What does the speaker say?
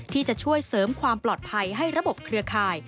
ที่จะช่วยเสริมความปลอดภัยให้ระบบเครือข่าย